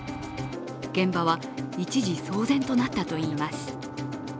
現場は一時騒然となったといいます。